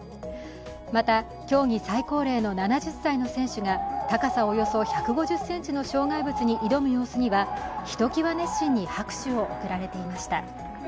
また、競技最高齢の７０歳の選手が高さおよそ１５０ｃｍの障害物に挑む様子にはひときわ熱心に拍手を送られていました。